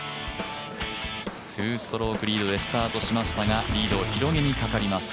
２ストロークリードで始まりましたがリードを広げにかかります。